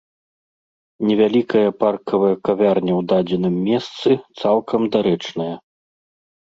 Невялікая паркавая кавярня ў дадзеным месцы цалкам дарэчная.